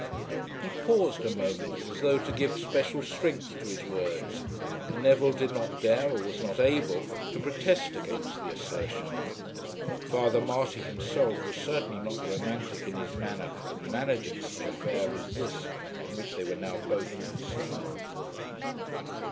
He paused a moment as though to give special strength to his words, and Neville did not dare or was not able to protest against the assertion. Father Marty himself was certainly not romantic in his manner of managing such an affair as this in which they were now both concerned.